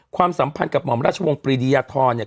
ความสัมพันธ์กับหม่อมราชวงศ์ปรีดียทรเนี่ย